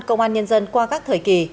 công an nhân dân qua các thời kỳ